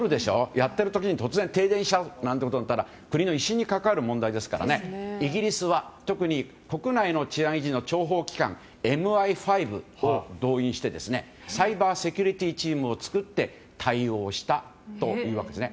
やっている時に突然、停電しちゃうということになったら国の威信に関わる問題ですからイギリスは特に国内の治安維持の諜報機関ＭＩ５を動員してサイバーセキュリティーチームを作って対応をしたというわけです。